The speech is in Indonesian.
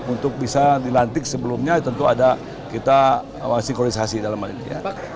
untuk bisa dilantik sebelumnya tentu ada kita sinkronisasi dalam hal ini ya